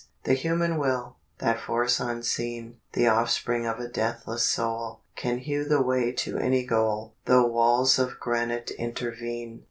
The human Will, that force unseen, The offspring of a deathless Soul, Can hew the way to any goal, Though walls of granite intervene.